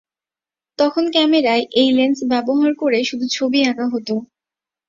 তখন ক্যামেরায় এই লেন্স ব্যবহার করে শুধু ছবি আঁকা হতো।